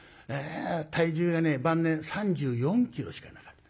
体重がね晩年３４キロしかなかった。